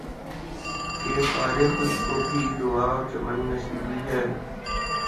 کہ خارِ خشک کو بھی دعویِ چمن نسبی ہے